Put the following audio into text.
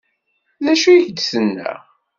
D acu i k-d-tenna?